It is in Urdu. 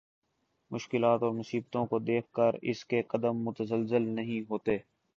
مشکلات اور مصیبتوں کو دیکھ کر اس کے قدم متزلزل نہیں ہوتے